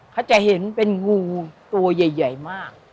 เขาจะเห็นเป็นงูตัวใหญ่มาก